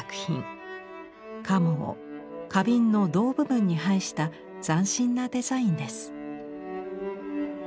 カモを花瓶の胴部分に配した斬新なデザインです。